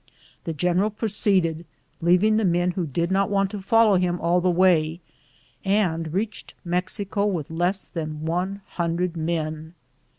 The general proceeded, leaving the men who did not want to follow bim all along the way, and reached Mexico with less than 100 men.